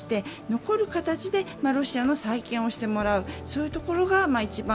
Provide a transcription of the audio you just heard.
残る形でロシアの再建をしてもらうというところが一番